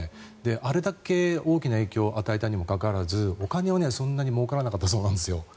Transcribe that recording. あれだけ大きな影響を与えたにもかかわらずお金は、そんなにもうからなかったそうなんです。